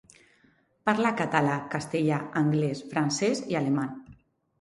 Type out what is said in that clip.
Parla català, castellà, anglès, francès i alemany.